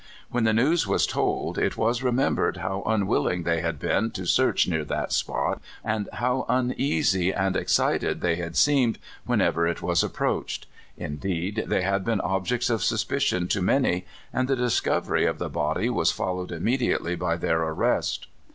When the news was told, it was remembered how unwill ing they had been to search near that spot, and how uneasv and excited thev had seemed whenever it was approached. Indeed, they had been objects of suspicion to many, and the discovery of the body was followed immediately by their arrest.